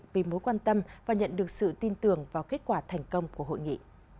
vì mối quan tâm và nhận được sự tin tưởng vào kết quả thành công của hội nghị